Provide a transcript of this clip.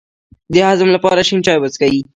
د هضم لپاره شین چای وڅښئ